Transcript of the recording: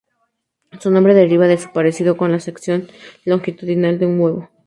Su nombre deriva de su parecido con la sección longitudinal de un huevo.